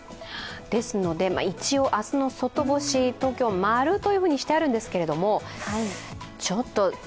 ですので、一応明日の外干し、東京、マルとしてあるんですが、ちょっと。